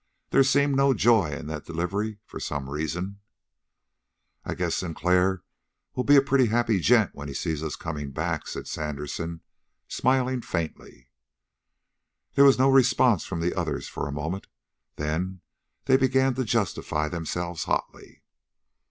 There seemed no joy in that delivery, for some reason. "I guess Sinclair will be a pretty happy gent when he sees us coming back," said Sandersen, smiling faintly. There was no response from the others for a moment. Then they began to justify themselves hotly.